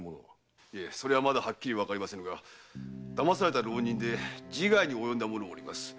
まだはっきりわかりませぬが騙された浪人で自害に及んだ者もおります。